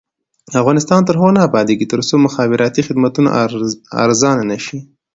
افغانستان تر هغو نه ابادیږي، ترڅو مخابراتي خدمتونه ارزانه نشي.